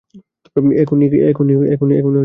এখনি করে ফেল।